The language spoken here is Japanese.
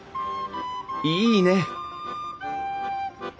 いいね！